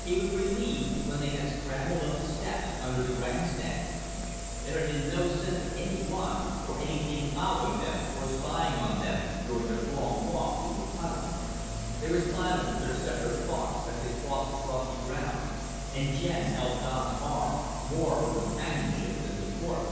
He was relieved when they had scrambled up the steps under the grandstand. There had been no sense of anyone or anything following them or spying on them during their long walk through the tunnel. They were silent with their separate thoughts as they crossed the frosty ground and Jen held Don's arm, more for companionship than support.